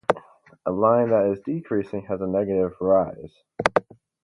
A line that is decreasing has a negative "rise".